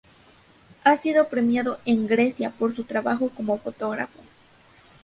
Ha sido premiado en Grecia por su trabajo como fotógrafo.